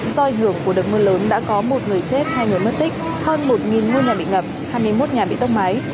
doi hưởng của đợt mưa lớn đã có một người chết hai người mất tích hơn một ngôi nhà bị ngập hai mươi một nhà bị tốc máy